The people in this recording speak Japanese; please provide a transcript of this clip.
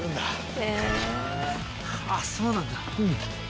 あっそうなんだ。